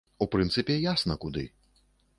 У прынцыпе, ясна, куды.